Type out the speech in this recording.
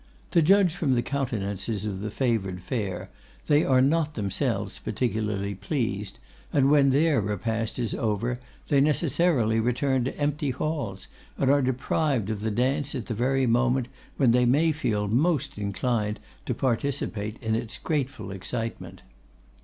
To judge from the countenances of the favoured fair, they are not themselves particularly pleased; and when their repast is over they necessarily return to empty halls, and are deprived of the dance at the very moment when they may feel most inclined to participate in its graceful excitement.